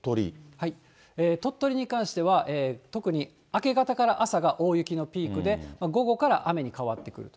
鳥取に関しては、特に明け方から朝が大雪のピークで、午後から雨に変わってくると。